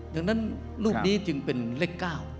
ดังนั้นรูปนี้จึงเป็นเลข๙